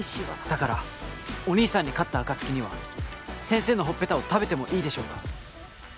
だからお兄さんに勝った暁には先生のほっぺたを食べてもいいでしょうか？